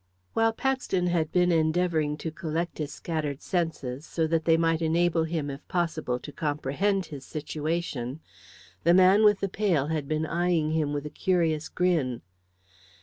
While Paxton had been endeavouring to collect his scattered senses, so that they might enable him, if possible, to comprehend his situation, the man with the pail had been eyeing him with a curious grin.